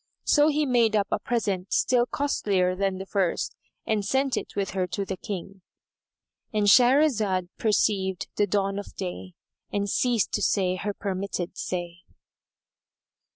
So he made up a present still costlier than the first and sent it with her to the King,——And Shahrazad perceived the dawn of day and ceased to say her permitted say.